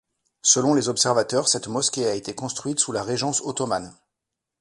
Selon les observateurs, cette mosquée a été construite sous la régence ottomane.